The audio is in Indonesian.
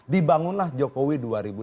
dibangunlah jokowi dua ribu lima belas